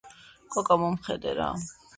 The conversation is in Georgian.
კოკა მომხედე რა